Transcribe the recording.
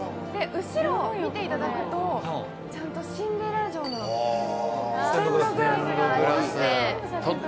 後ろ、見ていただくとシンデレラ城のステンドグラスがありますね。